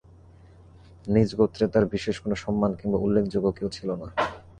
নিজগোত্রে তার বিশেষ কোন সম্মান কিংবা উল্লেখযোগ্য কেউ ছিল না।